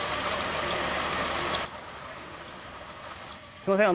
すいません